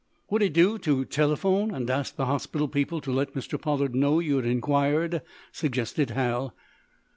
"Would it do to telephone, and ask the hospital people to let Mr. Pollard know you had inquired?" suggested Hal.